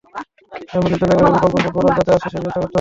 Emily চলে গেলে বিকল্প ফুটবলার যাতে আসে, সেই চেষ্টা করতে হবে।